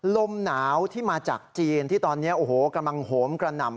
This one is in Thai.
ลมหนาวที่มาจากจีนที่ตอนนี้โอ้โหกำลังโหมกระหน่ำ